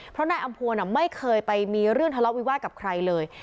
เพราะนายอำพวนไม่เคยไปมีเรื่องทะเลาะวิวาสกับใครเลย